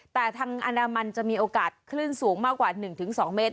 แต่ทางอันดามันจะมีโอกาสคลื่นสูงมากกว่า๑๒เมตร